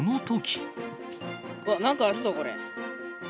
うわっ、なんかあるぞ、これ。